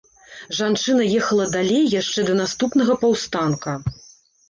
Жанчына ехала далей яшчэ да наступнага паўстанка.